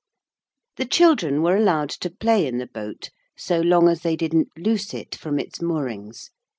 The children were allowed to play in the boat so long as they didn't loose it from its moorings.